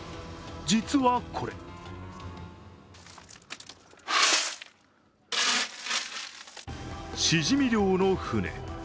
実はこれしじみ漁の船。